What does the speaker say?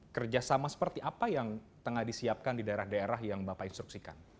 kerjasama seperti apa yang tengah disiapkan di daerah daerah yang bapak instruksikan